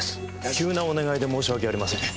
急なお願いで申し訳ありません。